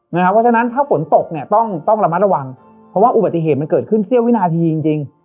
เพราะฉะนั้นถ้าฝนตกเนี่ยต้องระมัดระวังเพราะว่าอุบัติเหตุมันเกิดขึ้นเสี้ยววินาทีจริง